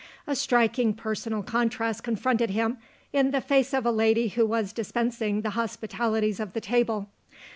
A striking personal contrast confronted him, in the face of the lady who was dispensing the hospitalities of the table.